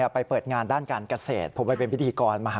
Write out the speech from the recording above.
ไปเปิดงานด้านการเกษตรผมไปเป็นพิธีกรม